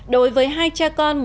đối với hai trạm tấn công